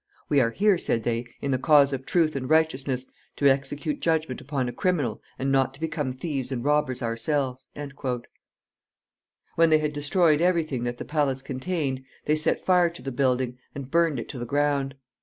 "We are here," said they, "in the cause of truth and righteousness, to execute judgment upon a criminal, and not to become thieves and robbers ourselves." [Illustration: RUINS OF THE SAVOY.] When they had destroyed every thing that the palace contained, they set fire to the building, and burned it to the ground.